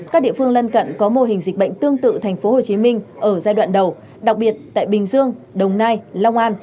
các địa phương lân cận có mô hình dịch bệnh tương tự tp hcm ở giai đoạn đầu đặc biệt tại bình dương đồng nai long an